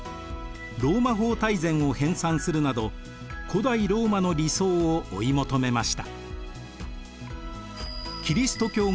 「ローマ法大全」を編さんするなど古代ローマの理想を追い求めました。